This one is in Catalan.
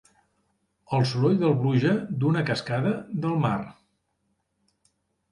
El soroll de la pluja, d'una cascada, del mar.